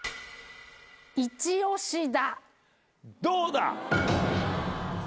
どうだ？